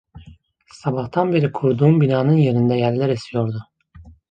Sabahtan beri kurduğum binanın yerinde yeller esiyordu.